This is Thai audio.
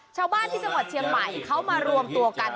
ชาวบ้านที่จังหวัดเชียงใหม่เขามารวมตัวกัน